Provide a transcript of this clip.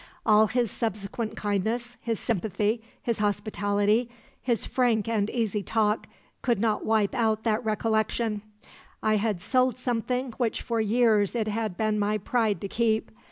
All his subsequent kindness, his sympathy, his hospitality, his frank and easy talk, could not wipe out that recollection. I had sold something which for years it had been my pride to keep.